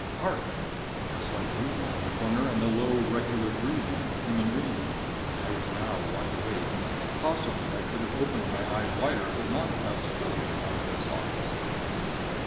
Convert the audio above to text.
Hark! A slight movement in the corner, and the low, regular breathing of a human being! I was now wide awake. Possibly I could have opened my eyes wider, but not without spilling them out of their sockets.